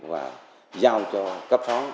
và giao cho cấp phó